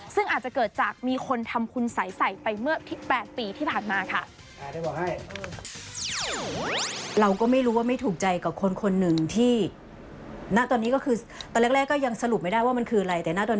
ซึ่งอาจจะเกิดจากมีคนทำคุณสัยใส่ไปเมื่อที่๘ปีที่ผ่านมาค่ะ